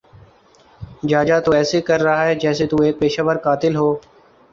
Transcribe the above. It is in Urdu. جاجا تو ایسے کہ رہا ہے جیسے تو ایک پیشہ ور قاتل ہو